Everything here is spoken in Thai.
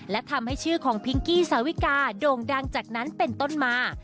และทำให้ชื่อของพิงกี้สาวิกาโด่งดังจากนั้นเป็นต้นมา